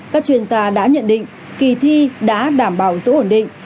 các chuyên gia đã nhận định kỳ thi đã đảm bảo giữ ổn định